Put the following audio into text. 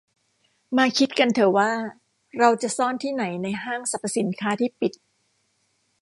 มาคิดกันเถอะว่าเราจะซ่อนที่ไหนในห้างสรรพสินค้าที่ปิด